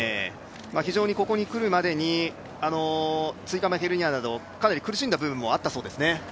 非常にここにくるまでに椎間板ヘルニアなどかなり苦しんだ部分もあったみたいですね。